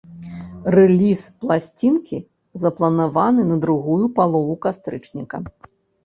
Рэліз пласцінкі запланаваны на другую палову кастрычніка.